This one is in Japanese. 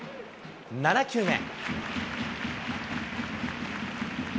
７球目。